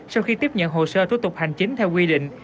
sau khi tiếp nhận hồ sơ thủ tục hành chính theo quy định